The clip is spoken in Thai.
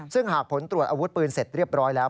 ซึ่งหากผลตรวจอาวุธปืนเสร็จเรียบร้อยแล้ว